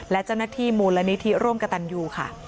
และเจ้าหน้าที่มูลนิธิร่วมกับตันยูค่ะ